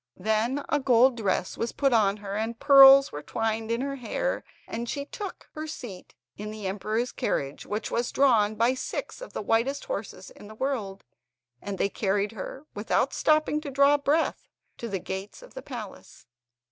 Then a golden dress was put on her, and pearls were twined in her hair, and she took her seat in the emperor's carriage which was drawn by six of the whitest horses in the world, and they carried her, without stopping to draw breath, to the gates of the palace.